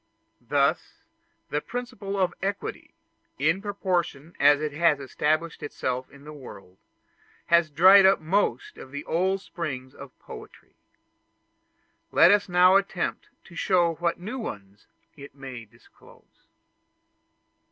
Thus the principle of equality; in proportion as it has established itself in the world, has dried up most of the old springs of poetry. Let us now attempt to show what new ones it may disclose.